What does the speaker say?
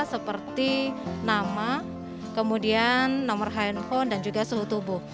seperti nama kemudian nomor handphone dan juga suhu tubuh